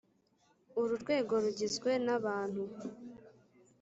Uru rwego rugizwe n abantu